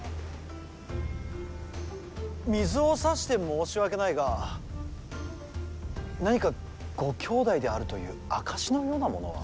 水をさして申し訳ないが何かご兄弟であるという証しのようなものは。